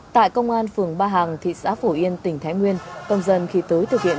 tại công an phường ba hàng thị xã phổ yên tỉnh thái nguyên công dân khi tới thực hiện